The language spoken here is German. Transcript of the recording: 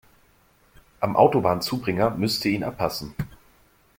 Am Autobahnzubringer müsst ihr ihn abpassen.